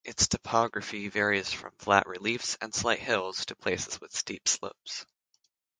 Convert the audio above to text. Its topography varies from flat reliefs and slight hills to places with steep slopes.